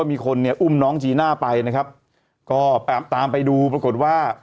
มีคนเนี่ยอุ้มน้องจีน่าไปนะครับก็ตามไปดูปรากฏว่า